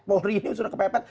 polri ini sudah kepepet